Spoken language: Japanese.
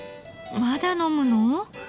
まだ飲むの？